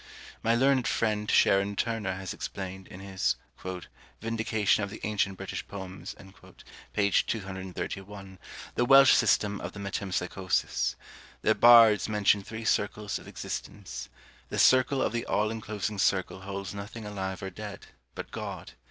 My learned friend Sharon Turner has explained, in his "Vindication of the ancient British Poems," p. 231, the Welsh system of the metempsychosis. Their bards mention three circles of existence. The circle of the all enclosing circle holds nothing alive or dead, but God.